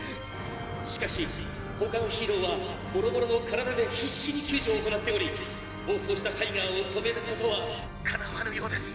「しかし他のヒーローはボロボロの体で必死に救助を行っており暴走したタイガーを止めることはかなわぬようです」。